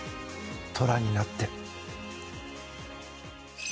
虎になって。